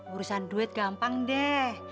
urusan duit gampang deh